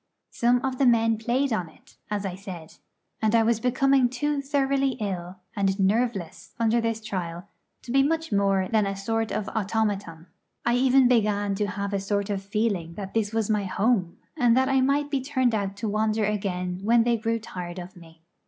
Some of the men played on it, as I said. And I was becoming too thoroughly ill and nerveless under this trial to be much more than a sort of automaton. I even began to have a sort of feeling that this was my home, and that I might be turned out to wander again when they grew tired of me.